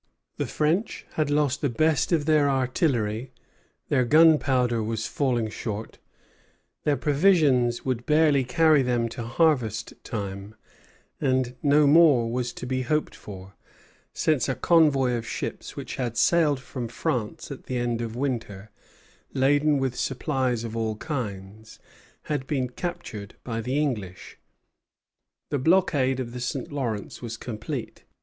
The French had lost the best of their artillery, their gunpowder was falling short, their provisions would barely carry them to harvest time, and no more was to be hoped for, since a convoy of ships which had sailed from France at the end of winter, laden with supplies of all kinds, had been captured by the English. The blockade of the St. Lawrence was complete.